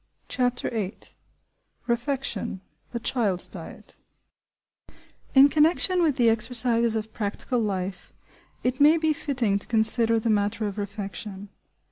CHAPTER VIII REFECTION–THE CHILD'S DIET IN connection with the exercises of practical life, it may be fitting to consider the matter of refection.